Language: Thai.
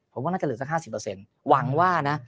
ผมว่าน่าจะเหลือสัก๕๐หวังว่านะ